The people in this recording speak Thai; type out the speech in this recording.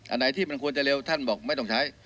อันไหนที่มันควรจะเร็วท่านบอกไม่ต้องใช้